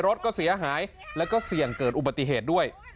รถก็เสียหายแล้วก็เสี่ยงเกิดอุบัติเหตุด้วย